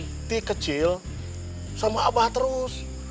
nanti kecil sama abah terus